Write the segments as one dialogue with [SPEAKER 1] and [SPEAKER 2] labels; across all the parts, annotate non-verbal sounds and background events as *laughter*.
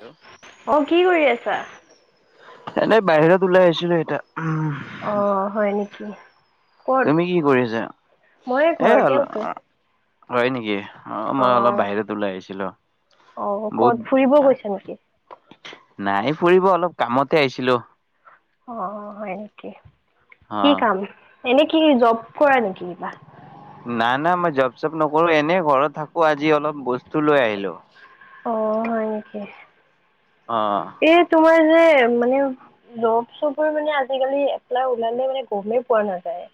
[SPEAKER 1] Hello.
[SPEAKER 2] অ' কি কৰি আছা?
[SPEAKER 1] এনেই বাহিৰত ওলাই আহিছিলো এতিয়া উমহ।
[SPEAKER 2] অ হয় নেকি ক'ত
[SPEAKER 1] তুমি কি কৰিছা?
[SPEAKER 2] মই
[SPEAKER 1] এ,
[SPEAKER 2] ঘৰতে
[SPEAKER 1] অল
[SPEAKER 2] আছো।
[SPEAKER 1] হয় নেকি? অ' মই অলপ বাহিৰত ওলাই আহিছিলোঁ।
[SPEAKER 2] অ ক'ত ফুৰিব গৈছা নেকি?
[SPEAKER 1] বহুত নাই ফুৰিব, অলপ কামতহে আহিছিলোঁ।
[SPEAKER 2] অ' হয় নেকি, কি
[SPEAKER 1] অ'
[SPEAKER 2] কাম? এনে কি জব কৰা নেকি কিবা?
[SPEAKER 1] নাই না, মই জব চব নকৰোঁ, এনেই ঘৰত থাকো, আজি অলপ বস্তু লৈ আহিলোঁ।
[SPEAKER 2] অ' হয় নেকি?
[SPEAKER 1] অ'।
[SPEAKER 2] এই তোমাৰ হে মানে জব চবৰ মানে আজিকালি এপ্লাই ওলালে মানে গমেই পোৱা নাযায়।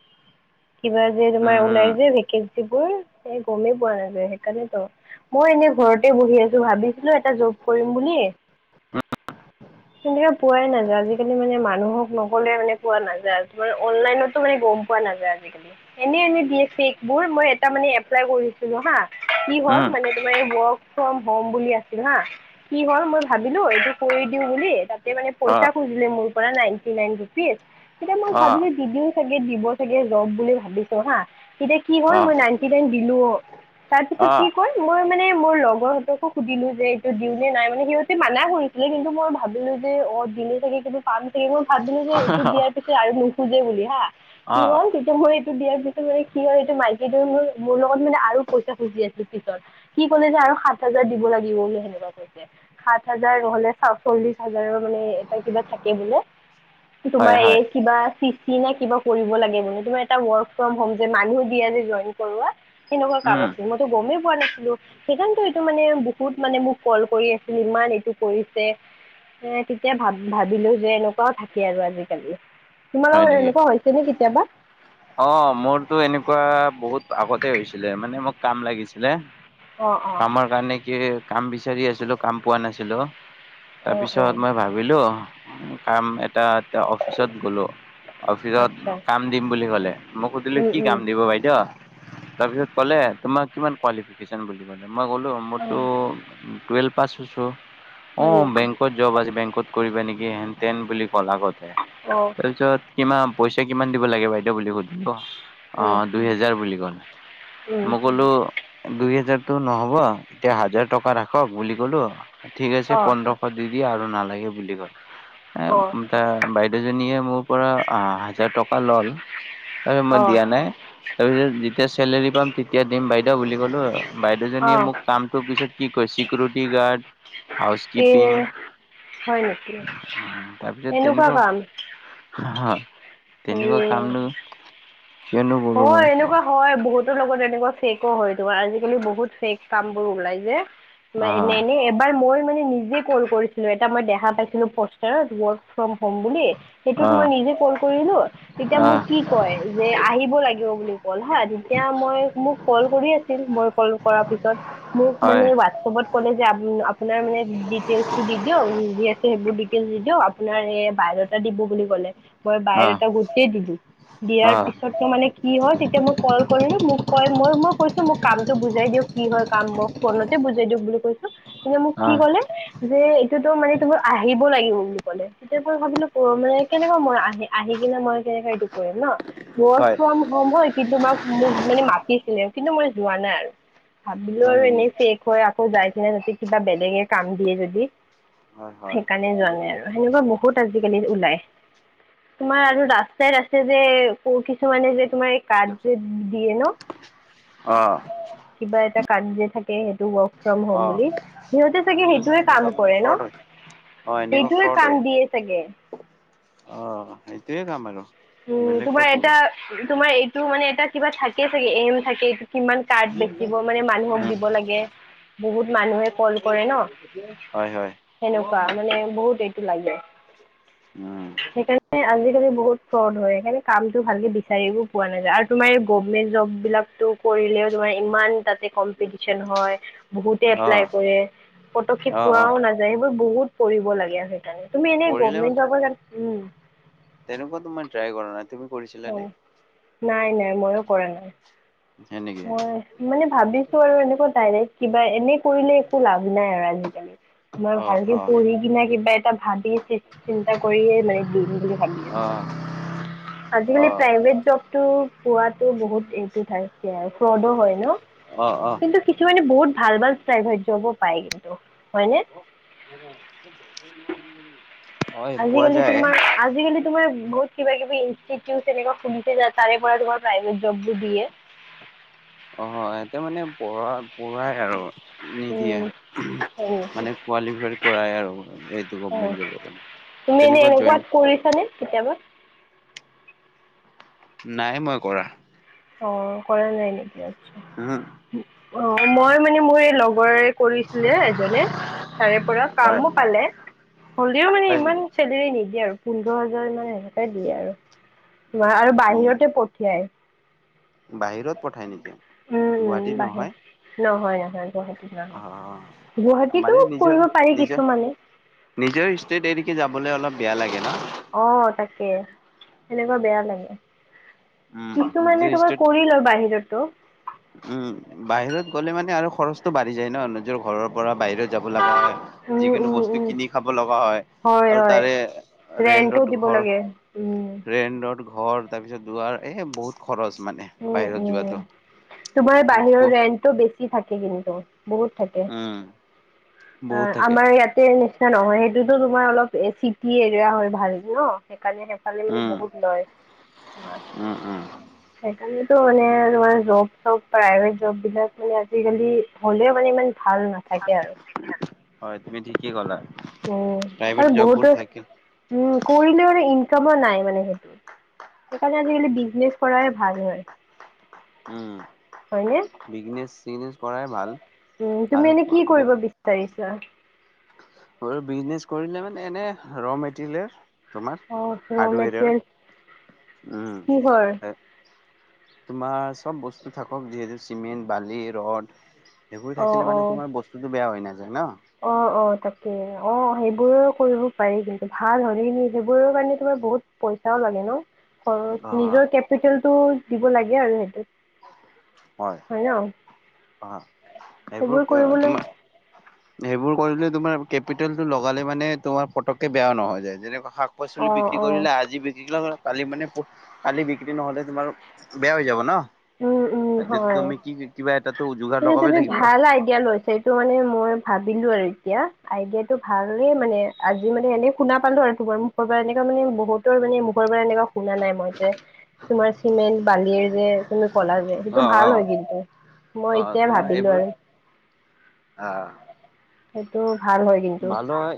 [SPEAKER 2] কিবা যে তোমাৰ
[SPEAKER 1] উম,
[SPEAKER 2] ওলাই
[SPEAKER 1] উম,
[SPEAKER 2] যে ভেকেঞ্চিবোৰ, এ গমেই পোৱা নাযায় সেইকাৰনেতো। মই এনে ঘৰতে বহি আছোঁ, ভাবিছিলোঁ এটা জব কৰিম বুলি
[SPEAKER 1] উম,
[SPEAKER 2] *inaudible* কিন্তু হে পোৱাই নাযায়, আজিকালি মানে মানুহক নকলে মানে পোৱা নাযায়। অনলাইনতো মানে গম পোৱা নাযায়। আজি কালি। এনে বি এ চেকবোৰ মই এটা মানে এপ্লাই কৰিছিলোঁ হা কি হ'ল
[SPEAKER 1] উম,
[SPEAKER 2] মানে তোমাৰ এই ৱৰ্ক ফ্ৰম হ'ম বুলি আছিল হা, কি হ'ল মই ভাবিলোঁ এইটো কৰি দিওঁ বুলি তাত তে মানে পইচা
[SPEAKER 1] অ',
[SPEAKER 2] খুজিলে মোৰ পৰা নাইনটি নাইন ৰুপিজ তেতিয়া মই
[SPEAKER 1] অ',
[SPEAKER 2] ভাবিলোঁ দি দিও চাগে দিব চাগে জব বুলি ভাবিছোঁ হা, তেতিয়া কি হ'ল
[SPEAKER 1] অ',
[SPEAKER 2] মই নাইনটি নাইন দিলোঁ অ'। তাৰপিছত
[SPEAKER 1] অ',
[SPEAKER 2] কি কয় মই মানে মোৰ লগৰহঁতকো সুধিলোঁ যে এইটো দিওঁ নে নাই মানে সিহঁতে মানা কৰিছি লে কিন্তু মই ভাবিলোঁ যে অ' দিলে চাগে কিন্তু পাম চাগে, মই ভাবিলোঁ যে এইটো দিয়াৰ পিছত আৰু নোখোজে বুলি হা, কি
[SPEAKER 1] অ'
[SPEAKER 2] হ'ল তে মই এইটো দিয়াৰ পিছত মানে কি হ'ল এইটো মাইকীটোৱে মোৰ মোৰ লগত মানে আৰু পইচা খুজি আছিল পিছত। কি ক'লে যে আৰু সাত হাজাৰ দিব লাগিব বুলি সেনেকুৱা কৈছে। সাত হাজাৰ নহ'লে সা-চল্লিশ হাজাৰৰ মানে এটা কিবা থাকে বোলে।
[SPEAKER 1] হয়,
[SPEAKER 2] তোমাৰ এই
[SPEAKER 1] হয়,
[SPEAKER 2] কিবা চি চি নে কিবা কৰিব লাগে মানে। কিবা এটা ৱৰ্ক ফৰ্ম হ'ম যে, মানুহ দিয়ে যে জইন কৰোৱা হেনেকুৱা কাম
[SPEAKER 1] উম,
[SPEAKER 2] আছিল ম টো গমেই পোৱা নাছিলোঁ। সেইকাৰণেটো এইটো মানে বহুত মানে মোক কল কৰি আছিল, ইমান এইটো কৰিছে। এ, তেতিয়া ভা-ভাবিলোঁ যে এনেকুৱাও থাকে আৰু আজিকালি। তোমাৰো
[SPEAKER 1] হয় নেকি?
[SPEAKER 2] এনেকুৱা হৈছেনে কেতিয়াবা?
[SPEAKER 1] অ' মোৰতো এনেকুৱা বহুত আগতে হৈছিলে, মানে মোক কাম লাগিছিলে।
[SPEAKER 2] অঁ অঁ
[SPEAKER 1] কামৰ কাৰণে কি কাম বিচাৰি আছিলোঁ, কাম পোৱা নাছিলোঁ।
[SPEAKER 2] অঁ অঁ
[SPEAKER 1] তাৰপিছত মই ভাবিলোঁ কাম এটাত তে অফিচত গ'লোঁ, অফিচত
[SPEAKER 2] আচ্ছা
[SPEAKER 1] কাম দিম বুলি ক'লে, মই সুধিলোঁ কি কাম দিব দিব বাইদেউ তাৰপিছত ক'লে তোমাৰ কিমান কোৱালিফিকেশ্যন বুলি ক'লে, মই ক'লো মোৰটো
[SPEAKER 2] অঁ
[SPEAKER 1] টুৱেলভ পাছ হৈছোঁ,
[SPEAKER 2] হয়
[SPEAKER 1] অ'
[SPEAKER 2] নেকি
[SPEAKER 1] বেংকত জব আজি বেংকত কৰিবা নেকি হেনতেন বুলি ক'ল আগতে
[SPEAKER 2] অঁ
[SPEAKER 1] তাৰপিছত কিমান পইছা কিমান দিব লাগে বাইদেউ বুলি সুধিলোঁ। অ' দুই হেজাৰ বুলি ক'লে, মই ক'লো দুই হেজাৰতো নহ'ব, এতিয়া হাজাৰ টকা ৰাখক বুলি ক'লো, ঠিক আছে
[SPEAKER 2] অঁ
[SPEAKER 1] পন্ধৰ দি দিয়ে আৰু নালাগে বুলি ক'লে।
[SPEAKER 2] অঁ
[SPEAKER 1] এ, তাৰ বাইদেউজনীয়ে মোৰ পৰা হা-হাজাৰ টকা ল'ল তাৰে মই
[SPEAKER 2] অঁ
[SPEAKER 1] দিয়া নাই, তাৰপিছত যেতিয়া চেলেৰী পাম তেতিয়া দিম বাইদেউ বুলি ক'লো, বাইদেউজনীয়ে
[SPEAKER 2] অঁ
[SPEAKER 1] মোক কামটো পিছত কি কয় চিকিউৰিটি গাৰ্ড হাউচ
[SPEAKER 2] এই
[SPEAKER 1] কিপিং
[SPEAKER 2] হয় নেকি? এনেকুৱা কাম
[SPEAKER 1] হা, তেনেকুৱা কামনো কিয়নো কৰো
[SPEAKER 2] অ',
[SPEAKER 1] মই
[SPEAKER 2] এনেকুৱা হয়, বহুতৰ লগত এনেকুৱা ফেকো হয়। তোমাৰ, আজিকালি বহুত ফেক কামবোৰ ওলাই যে
[SPEAKER 1] অ
[SPEAKER 2] তোমাৰ, এনে-এনে এবাৰ মই মানে, নিজে কল কৰিছিলো, এটা মই দেখা পাইছিলো প'ষ্টাৰত ৱৰ্ক ফ্ৰম হ'ম বুলি,
[SPEAKER 1] অ
[SPEAKER 2] সেইটোত মই নিজে কল কৰিলো, তেতিয়া
[SPEAKER 1] অ
[SPEAKER 2] মোক কি কয়, যে আহিব লাগিব বুলি, কল, হা সেইয়া মই, মোক কল কৰি আছিল। মই কল কৰাৰ পিছত, মোক মানে
[SPEAKER 1] হয়
[SPEAKER 2] হোৱাটছএপত ক'লে যে আমি, আপোনাৰ মানে, ডিটেইলচটো দি দিয়ক, যি আছে সেইবোৰ দি ডিটেইলচ দি দিয়ক আপোনাৰ, এই বায়'ডাটা দিব বুলি ক'লে মই
[SPEAKER 1] অ
[SPEAKER 2] বায়'ডাটা গোটেই দিলো, দিয়াৰ
[SPEAKER 1] অ
[SPEAKER 2] পিছত মোৰ মানে, কি হয়, তেতিয়া মই কল কৰিলো, মোক কয় মই, মই কৈছো মোক কামটো বুজাই দিয়ক কি হয়, কাম মোক ফোনতে বুজাই দিয়ক বুলি কৈছো, সিহঁতে মোক
[SPEAKER 1] অ
[SPEAKER 2] কি ক'লে যে এইটোতো, মানে তোমাৰ আহিব লাগিব বুলি ক'লে, তেতিয়া মই ভাবিলো, কৰিম নে কেনেকে, মোৰ আহ আহি কিনে, মই কেনেকে এইটো কৰিম ন?
[SPEAKER 1] হয়
[SPEAKER 2] ৱৰ্ক ফ্ৰম হ'ম হয়, কিন্তু মোক, মোক মানে মাতিছিলে, কিন্তু মই যোৱা নাই আৰু ভাবিলো,
[SPEAKER 1] হয়
[SPEAKER 2] আৰু
[SPEAKER 1] নেকি
[SPEAKER 2] এনেই ফেক থৈ আকৌ যাই কিনে, তাহাঁতি কিবা বেলেগে কাম দিয়ে যদি,
[SPEAKER 1] হয় হয়
[SPEAKER 2] সেইকাৰণে যোৱা
[SPEAKER 1] ঠিকে
[SPEAKER 2] নাই আৰু সেনেকুৱা বহুত আজিকালি ওলাই তোমাৰ আৰু ৰাস্তাই, ৰাস্তাই যে, ক'ৰ, কিছুমানে যে, তোমাৰ এই কাৰ্ড যে, দিয়ে ন?
[SPEAKER 1] অ'।
[SPEAKER 2] কিবা এটা কাৰ্ড যে থাকে, সেই ৱৰ্ক ফ্ৰম হ'ম
[SPEAKER 1] অ'
[SPEAKER 2] বুলি, সিহঁতে চাগে,
[SPEAKER 1] উম
[SPEAKER 2] সেইটোয়ে
[SPEAKER 1] এনেকুৱা
[SPEAKER 2] কাম
[SPEAKER 1] মানে
[SPEAKER 2] কৰে
[SPEAKER 1] ফ্ৰড
[SPEAKER 2] ন?
[SPEAKER 1] হয় অ' এনেকুৱা
[SPEAKER 2] সেইটোয়ে
[SPEAKER 1] ফ্ৰড
[SPEAKER 2] কাম
[SPEAKER 1] হয়
[SPEAKER 2] দিয়ে চাগে
[SPEAKER 1] অ', সেইটোয়েই কাম আৰু
[SPEAKER 2] উম,
[SPEAKER 1] বেলেগ
[SPEAKER 2] তোমাৰ
[SPEAKER 1] ক'ত দিব
[SPEAKER 2] এটা, তোমাৰ এইটো মানে, এটা কিবা থাকে চাগে, এইম থাকে, কিমান কাৰ্ড বেচিব, মানে মানুহক দিব লাগে, বহুত মানুহে কল কৰে ন?
[SPEAKER 1] হয় হয়
[SPEAKER 2] সেনেকুৱা মানে, বহুত এইটো লাগে
[SPEAKER 1] উম।
[SPEAKER 2] এ, আজিকালি বহুত ফ্ৰদ হয়। সেইকাৰণে কামটো ভালকৈ বিচাৰিব পোৱা নাযায়, আৰু তোমাৰ এই গভমেণ্ট জববিলাকতো কৰিলেও তোমাৰ, ইমান তাতে কম্পিটিছন হয়, বহুতে এপ্লাই
[SPEAKER 1] অ'
[SPEAKER 2] কৰে পটককে
[SPEAKER 1] অ' অ'
[SPEAKER 2] পোৱাও নাযায়, সেইবোৰ বহুত পঢ়িব লাগে আৰু সেইকাৰণে, তুমি এনে
[SPEAKER 1] কৰিলে
[SPEAKER 2] গভমেণ্ট জবৰ কাৰণে উম
[SPEAKER 1] তেনেকুৱা তোমাৰ ট্ৰাই কৰা নাই। তুমি কৰিছিলা নে?
[SPEAKER 2] হয় নাই, নাই, ময়ো কৰা নাই।
[SPEAKER 1] হয় নেকি
[SPEAKER 2] মই মানে ভাবিছো আৰু এনেকুৱা ডাইৰেক্ট কিবা, এনে কৰিলে একো লাভ নাই আৰু আজিকালি মই
[SPEAKER 1] অ'
[SPEAKER 2] ভালকৈ
[SPEAKER 1] অ'
[SPEAKER 2] পঢ়ি কিনে, কিবা এটা ভাবি চি চিন্তা কৰিয়েই, মানে দিম বুলি ভাবি
[SPEAKER 1] অ'
[SPEAKER 2] আছো আজিকালি
[SPEAKER 1] অ'
[SPEAKER 2] প্ৰাইভেট জবতটোও, পোৱাতো বহুত *unintelligible* কে আৰু, ফ্ৰডো হয় ন?
[SPEAKER 1] অ' অ'
[SPEAKER 2] কিন্তু কিছুমানে বহুত ভাল-ভাল প্ৰাইভেট জবো পায়, কিন্তু হয় নে?
[SPEAKER 1] হয়, পোৱা
[SPEAKER 2] আজিকালি
[SPEAKER 1] যায়।
[SPEAKER 2] তোমাৰ আজিকালি তোমাৰ, বহুত কিবা-কিবি ইনচটিটিউট, তেনেকুৱা খুলিছে যে, তাৰে পৰা তোমাৰ প্ৰাইভেট জববোৰ দিয়ে।
[SPEAKER 1] হয়, তেওঁ মানে, পঢ়া-পঢ়াই আৰু নিদিয়ে
[SPEAKER 2] উম হয় নেকি
[SPEAKER 1] মানে কোৱালিফাই কৰাই আৰু এইটো গভমেণ্ট জবৰ কাৰণে
[SPEAKER 2] মানে
[SPEAKER 1] তেনেকুৱা
[SPEAKER 2] এনেকুৱা
[SPEAKER 1] জইন
[SPEAKER 2] কৰিছানে কেতিয়াবা
[SPEAKER 1] নাই মই কৰা
[SPEAKER 2] অ কৰা নাই নেকি আচ্ছা
[SPEAKER 1] উম
[SPEAKER 2] অ মই মানে মোৰ এই লগৰ কৰিছিলে এজনে তাৰে পৰা
[SPEAKER 1] হয়
[SPEAKER 2] কামো পালে হলেও মানে
[SPEAKER 1] হয়
[SPEAKER 2] ইমান
[SPEAKER 1] নেকি?
[SPEAKER 2] চেলেৰী নিদিয়ে আৰু পোন্ধৰ হাজাৰ মান সেনেকে দিয়ে আৰু তোমাৰ আৰু
[SPEAKER 1] উম,
[SPEAKER 2] বাহিৰতে *unintelligible* *unintelligible*
[SPEAKER 1] বাহিৰত পঠায় নেকি
[SPEAKER 2] উম উম
[SPEAKER 1] গুৱাহাটীত
[SPEAKER 2] বাহিৰ
[SPEAKER 1] নহয়
[SPEAKER 2] নহয় নহয় গুৱাহাটীত নহয়
[SPEAKER 1] অ'।
[SPEAKER 2] গুৱাহাটীতো
[SPEAKER 1] মানে নিজৰ
[SPEAKER 2] কৰিব পাৰি
[SPEAKER 1] নিজৰ
[SPEAKER 2] কিছুমানে
[SPEAKER 1] নিজৰ ষ্টেট এৰিকে যাবলৈ অলপ বেয়া লাগে ন
[SPEAKER 2] অ তাকে সেনেকুৱা বেয়া লাগে
[SPEAKER 1] উম,
[SPEAKER 2] কিছুমানে
[SPEAKER 1] নিজৰ
[SPEAKER 2] তোমাৰ
[SPEAKER 1] ষ্টেট
[SPEAKER 2] কৰিলয় আৰু বাহিৰতো
[SPEAKER 1] উম বাহিৰত গ'লে মানে আৰু খৰচটো বাঢ়ি যায় ন নিজৰ ঘৰৰ পৰা বাহিৰত যাব লগা হয়
[SPEAKER 2] উম
[SPEAKER 1] যিকোনো
[SPEAKER 2] উম
[SPEAKER 1] বস্তু
[SPEAKER 2] উম
[SPEAKER 1] কিনি খাব লগা হয় আৰু তাৰে
[SPEAKER 2] ৰেন্টো
[SPEAKER 1] ৰেন্টত
[SPEAKER 2] দিব
[SPEAKER 1] ঘৰ
[SPEAKER 2] লাগে উম
[SPEAKER 1] ৰেণ্টত ঘৰ তাৰ পিছত যোৱাৰ এ বহুত খৰচ মানে
[SPEAKER 2] উম
[SPEAKER 1] বাহিৰত যোৱাটো
[SPEAKER 2] উম তোমাৰ বাহিৰৰ
[SPEAKER 1] ক
[SPEAKER 2] ৰেন্টটো বেছি থাকে কিন্তু বহুত থাকে
[SPEAKER 1] উম, বহুত
[SPEAKER 2] আহ
[SPEAKER 1] থাকে
[SPEAKER 2] আমাৰ ইয়াতে নি নহয় সেইটোতো তোমাৰ অলপ চিটি এৰিয়া হয় ভাল ন সেইকাৰণে চালি মেলি
[SPEAKER 1] উম।
[SPEAKER 2] বহুত লয়
[SPEAKER 1] উম উম
[SPEAKER 2] সেইকাৰণেতো মানে তোমাৰ জব চব প্ৰাইভেট জব বিলাক মানে আজিকালি হ'লেও মানে ইমান ভাল না থাকে আৰু
[SPEAKER 1] হয় তুমি ঠিকেই ক'লা
[SPEAKER 2] উম
[SPEAKER 1] প্ৰাইভেট
[SPEAKER 2] আৰু
[SPEAKER 1] জববোৰ
[SPEAKER 2] বহুতো
[SPEAKER 1] থাকে।
[SPEAKER 2] উম কৰিলে মানে ইনকামো নাই মানে সেইটো সেইকাৰণে আজিকালি বিজনেছ কৰাই ভাল হয়
[SPEAKER 1] উম
[SPEAKER 2] হয়নে?
[SPEAKER 1] বিগনেছ চিনেছ কৰায়ে ভাল আৰু
[SPEAKER 2] তাৰ
[SPEAKER 1] বিজনেচ কৰিলে মানে এনে ৰ মেটেৰিয়েল তোমাৰ
[SPEAKER 2] অ' ৰ'
[SPEAKER 1] হাৰ্ডৱেৰৰ
[SPEAKER 2] মেটেৰিয়েল কিহৰ?
[SPEAKER 1] উম তোমাৰ চব বস্তু থাকক যিহেতু চিমেণ্ট বালি ৰট সেইবোৰ
[SPEAKER 2] অ'
[SPEAKER 1] থাকিলে মানে
[SPEAKER 2] অ'
[SPEAKER 1] তোমাৰ বস্তুটো বেয়া হৈ নাযায় ন
[SPEAKER 2] অ অ তাকে অ সেইবোৰো কৰিব পাৰি কিন্তু ভাল হ'লে কিন্তু সেইবোৰৰ কাৰণে তোমাৰ বহুত পইচাও লাগে ন খৰচ
[SPEAKER 1] অ',
[SPEAKER 2] নিজৰ কেপিটেলতটো দিব লাগে আৰু সেইটো হয় ন
[SPEAKER 1] অ', এইবোৰ
[SPEAKER 2] সেইবোৰ কৰিবলৈ
[SPEAKER 1] তোমাৰ
[SPEAKER 2] হয়
[SPEAKER 1] সেইবোৰ কৰিলে তোমাৰ কেপিতেলটো লগালে মানে তোমাৰ পতকে বেয়া নহয় যায় যেনেকুৱা শাক
[SPEAKER 2] অ
[SPEAKER 1] পাচলি বিক্ৰি
[SPEAKER 2] অ
[SPEAKER 1] কৰিলে আজি বিক্ৰিযোৱা কালি মানে কালি বিক্ৰী নহ'লে তোমাৰ বেয়া হৈ যাব ন
[SPEAKER 2] উম উম
[SPEAKER 1] এতিয়া
[SPEAKER 2] হয়
[SPEAKER 1] তুমি কি কিবা এটাতো যোগাৰ
[SPEAKER 2] কিন্তু
[SPEAKER 1] লগাবই
[SPEAKER 2] তুমি
[SPEAKER 1] লাগিব
[SPEAKER 2] ভাল আইডিয়া লৈছে টো মানে মই ভাবিলো আৰু এতিয়া আইডিয়াটো ভালেই মানে, আজি মানে এনে শুনা পালো আৰু তোমাৰ মু খৰ পৰা। এনেকুৱা মানে বহুতৰ মানে, মুখৰ পৰা এনেকুৱা শুনা নাই মই যে তোমাৰ চিমেণ্ট বালিয়ে যে তুমি ক'লা যে সেইটো
[SPEAKER 1] অ
[SPEAKER 2] ভাল
[SPEAKER 1] অ
[SPEAKER 2] হয় কিন্তু মই এতিয়াই ভাবিলো আৰু।
[SPEAKER 1] অঁ।
[SPEAKER 2] সেইটো ভাল হয়। কিন্তু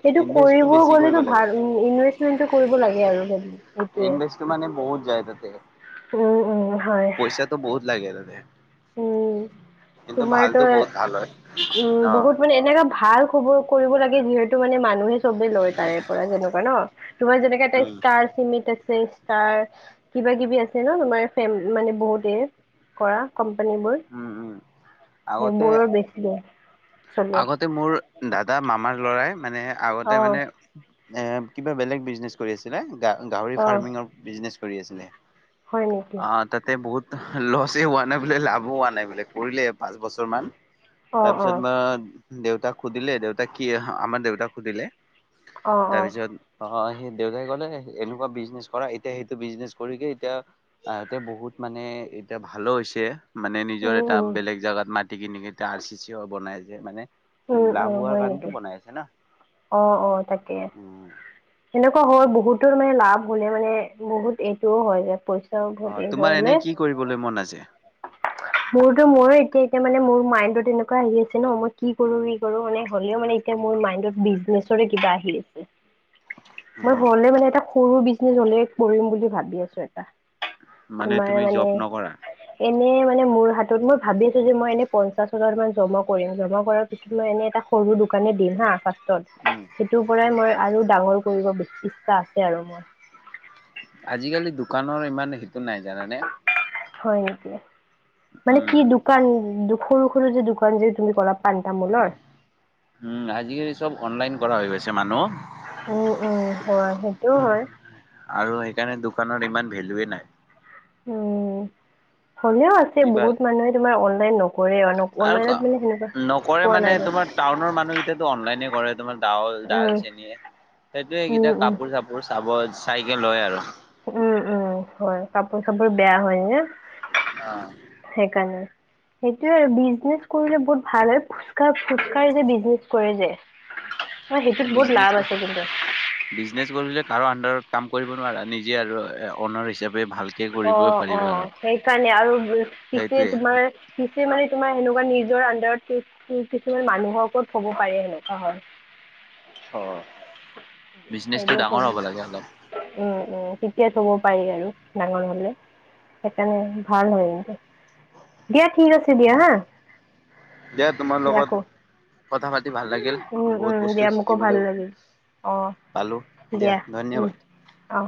[SPEAKER 2] সেইটো
[SPEAKER 1] ইনভেষ্টটো
[SPEAKER 2] কৰিব
[SPEAKER 1] বেছি কৰিব
[SPEAKER 2] গ'লেটো
[SPEAKER 1] লাগে
[SPEAKER 2] ভাল ইন ইনভেষ্টমেন্টটো কৰিব লাগে আৰু সেই
[SPEAKER 1] ইনভেষ্ট টো মানে বহত যায় তাতে।
[SPEAKER 2] উম, উম হয়।
[SPEAKER 1] পইচাটো বহুত লাগে তাতে।
[SPEAKER 2] উম,
[SPEAKER 1] কিন্তু
[SPEAKER 2] তোমাৰতো
[SPEAKER 1] ভালতো বহুত ভাল হয়
[SPEAKER 2] উম,
[SPEAKER 1] অ
[SPEAKER 2] বহুত মানে এনেুকা ভাল খবৰ কৰিব লাগে যিহেতু মানে মানুহে চবে লয় তাৰে পৰা যেনেকুৱা ন'? তোমাৰ যেনেকে এটা
[SPEAKER 1] উম
[SPEAKER 2] ষ্টাৰ চিমেণ্ট আছে। তাৰ কিবা-কিবি আছে ন'? তোমাৰে মানে বহুতে কৰা কোম্পানী বোৰ
[SPEAKER 1] উম উম আগতে
[SPEAKER 2] সেইবোৰৰ বেছি দিয়ে।
[SPEAKER 1] আগতে মোৰ দাদা, মামাৰ ল'ৰাই মানে
[SPEAKER 2] অ
[SPEAKER 1] আগতে মানে এ কিবা বেলেগ বিজনেছ কৰিছিলা গাহৰি
[SPEAKER 2] অ
[SPEAKER 1] ফ্ৰামিয়ৰ বিজনেছ কৰি আছিলা
[SPEAKER 2] হয় নেকি?
[SPEAKER 1] অঁ, তাতে বহুত লছে হোৱা নাই বোলে, লাভো হোৱা নাই বোলে কৰিলে পাঁচ বছৰ মান।
[SPEAKER 2] অ অ
[SPEAKER 1] তাৰপিছত মা দেউতাক সুধিলে। দেউতাক কি আমাৰ দেউতাক সুধিলে।
[SPEAKER 2] অ অ
[SPEAKER 1] তাৰপিছত নহয়, সি দেউতাই ক'লে, এনেকুৱা বিজনেছ কৰা। এতিয়া সেইটো বিজনেছ কৰিকে এতিয়া তাৰ এতিয়া বহুত মানে, এতিয়া ভালো হৈছে। মানে, নিজৰ
[SPEAKER 2] উম
[SPEAKER 1] এটা
[SPEAKER 2] উম।
[SPEAKER 1] বেলেগ জাগাত মাটি কিনি এতিয়া আৰ চি চি ও বনাই আছে। মানে
[SPEAKER 2] উম
[SPEAKER 1] লাভ হোৱাৰ কাৰণেটো বনাই আছে না'।
[SPEAKER 2] অঁ, অ তাকে।
[SPEAKER 1] উম
[SPEAKER 2] সেনেকুৱা হয়। বহুতৰ মানে লাভ হ'লে মানে বহুত এইটোও হয় যে পইচ
[SPEAKER 1] অঁ, তোমাৰ এনে কি কৰিবলৈ মন আছে?
[SPEAKER 2] *inaudible* মোৰতো মোৰেই তি- এতিয়া মানে, মোৰ মাইণ্ডত এনেকুৱা আহি আছে ন মই কি কৰো, ই কৰো মানে হ'লেও মানে যে মোৰ মাইণ্ডত বিচনেজৰে কিবা আহি আছে। মই
[SPEAKER 1] উম
[SPEAKER 2] হ'লেও মানে এটা সৰু বিজনেজ হ'লেও কৰিম বুলি ভাবি আছো এটা।
[SPEAKER 1] মানে
[SPEAKER 2] তোমাৰ
[SPEAKER 1] তুমি
[SPEAKER 2] মানে
[SPEAKER 1] জব নকৰা
[SPEAKER 2] এনেই মানে মোৰ হাতত মই ভাবি আছো যে মই এনে পঞ্চাশ হাজাৰ মান জমা কৰিম। জমা কৰাত মই এনেই এটা সৰু দোকানে দিম হাঁ ফাৰ্ষ্টত।
[SPEAKER 1] এ।
[SPEAKER 2] সেইটোৰ পৰাই মই আৰু ডাঙৰ কৰিব ইচ--ইচ্ছা আছে আৰু মোৰ।
[SPEAKER 1] আজিকালি দোকানৰ ইমান সেইটো নাই জানানে?
[SPEAKER 2] হয় নেকি? মানে কি
[SPEAKER 1] উম
[SPEAKER 2] দুক্ দোকান। সৰু সৰু যে দোকান যে তুমি ক'লা, পাণ তামোলৰ।
[SPEAKER 1] উম, আজিকালি চব অনলাইন কৰা হৈ গৈছে মানুহ।
[SPEAKER 2] উম, উম হয় সেইটোও হয়।
[SPEAKER 1] আৰু সেইকাৰণে দোকানত ইমান ভেলুৱে নাই।
[SPEAKER 2] উম, হ'লেও আ ছে
[SPEAKER 1] কিবা
[SPEAKER 2] বহুত মানুহে তোমাৰ অনলাইন নকৰে। নক
[SPEAKER 1] আৰু ক
[SPEAKER 2] অনলাইনত মানে সেনেকুৱা
[SPEAKER 1] নকৰে
[SPEAKER 2] পোৱা
[SPEAKER 1] মানে
[SPEAKER 2] নাযায়।
[SPEAKER 1] তোমাৰ টাউনৰ মানুহ কেইটাইটো তোমাৰ অনলাইনে কৰে। তোমাৰ চাউল, দাইল,
[SPEAKER 2] উম
[SPEAKER 1] চেনি। সেইটোৱে
[SPEAKER 2] উম
[SPEAKER 1] সেইকেইটা
[SPEAKER 2] উম
[SPEAKER 1] কাপোৰ-চাপ্ বোৰ চাব চাই কে লয় আৰু।
[SPEAKER 2] উম, উম, হয়, কাপোৰ চাপোৰ বেয়া হয়, নে?
[SPEAKER 1] অ'।
[SPEAKER 2] সেইকাৰণে। সেইটোয়ে আৰু বিজনেচ কৰিলে বহুত ভাল হয়, ফুচকাৰ, ফুচকাৰ যে বিজনেচ কৰে যে! অ সেইটোত বহুত
[SPEAKER 1] বিজনেচ?
[SPEAKER 2] লাভ আছে কিন্তু
[SPEAKER 1] বিজনেছ কৰিলে কাৰো আন্দাৰত কাম কৰিব নোৱাৰা, নিজে আৰু অনাৰ হিচাপে ভাল
[SPEAKER 2] অ', অ', সেইকাৰণে আৰু পিছে
[SPEAKER 1] সেইটোৱে।
[SPEAKER 2] তোমাৰ পিছে মানে তোমাৰ সেনেকুৱা নিজৰ আন্দাৰত কিছুমান মানুহৰ ওপৰত থ'ব পাৰে সেনেকুৱা হয়।
[SPEAKER 1] হ'।
[SPEAKER 2] সেইটোৱে থ'ব উম, উম, তেতিয়া থ'ব পাৰি আৰু ডাঙৰ হ'লে। সেইকাৰণে ভাল হয়, *unintelligible* দিয়া ঠিক আছে দিয়া হা'
[SPEAKER 1] দিয়া তোমাৰ লগত
[SPEAKER 2] ৰাখোঁ।
[SPEAKER 1] কথা পাতি ভাল লাগিল।
[SPEAKER 2] উম,
[SPEAKER 1] বহুত
[SPEAKER 2] উম,
[SPEAKER 1] বস্তু
[SPEAKER 2] দিয়া মোকো ভাল
[SPEAKER 1] শিকিবলৈও
[SPEAKER 2] লাগিল। অহ,
[SPEAKER 1] পালোঁ
[SPEAKER 2] দিয়া উম,
[SPEAKER 1] ধন্যবাদ।
[SPEAKER 2] অহ।